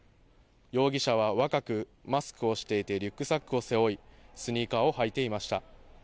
容疑者は若く、マスクをしていてリュックサックを背負いスニーカーを履いていました。